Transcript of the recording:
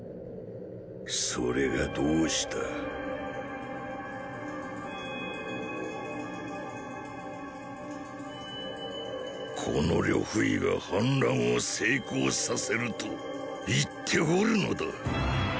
それがどうしたこの呂不韋が反乱を成功させると言っておるのだ。